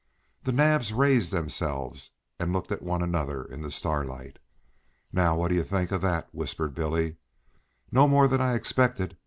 The Naabs raised themselves and looked at one another in the starlight. "Now what do you think of that?" whispered Billy. "No more than I expected.